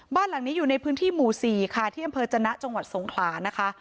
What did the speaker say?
บ้านหลังนี้อยู่ในพื้นที่หมู่๔ค่ะที่อำเภอจนะจังหวัดสงขลานะคะ